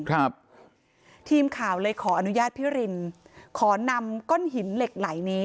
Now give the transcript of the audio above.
ครับทีมข่าวเลยขออนุญาตพี่รินขอนำก้อนหินเหล็กไหลนี้